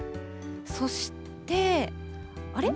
そしてあれ？